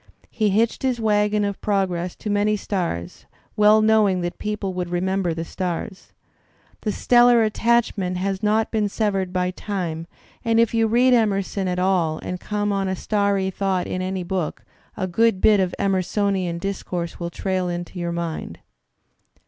He hitched his wagon of progress to many stars, well knowing that people would remember the stars. The stellar attachment has not been Digitized by Google EMERSON 71 severed by time, and if you read Emerson at all and come on a starry thought in any book, a good bit of Emersonian dis course will trail into your mind.